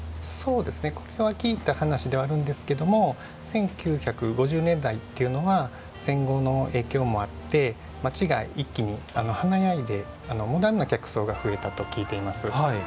そうですねこれは聞いた話ではあるんですけども１９５０年代っていうのは戦後の影響もあって街が一気に華やいでモダンな客層が増えたと聞いています。